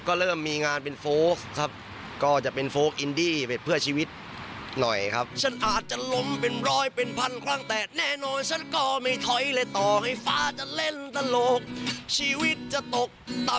ก็เริ่มมีงานเป็นโฟก